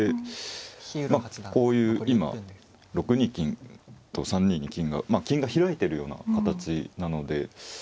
こういう今６二金と３二金が金が開いているような形なので。